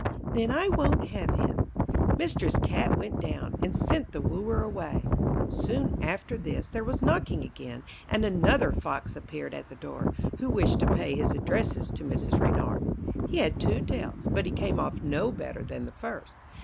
'Then I won't have him.' Mistress Cat went down, and sent the wooer away. Soon after this there was knocking again, and another Fox appeared at the door, who wished to pay his addresses to Mrs. Reynard. He had two tails, but he came off no better than the first.